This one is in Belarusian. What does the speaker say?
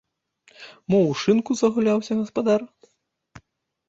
Мо ў шынку загуляўся гаспадар?